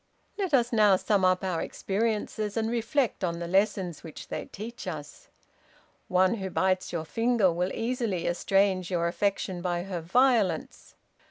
"Let us now sum up our experiences, and reflect on the lessons which they teach us. One who bites your finger will easily estrange your affection by her violence.